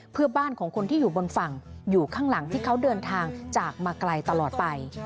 เพื่อบ้านของคนที่อยู่บนฝั่งอยู่ข้างหลังที่เขาเดินทางจากมาไกลตลอดไป